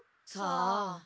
さあ？